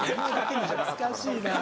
懐かしいな。